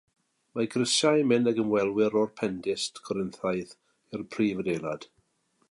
Mae grisiau yn mynd ag ymwelwyr o'r pendist Corinthaidd i'r prif adeilad.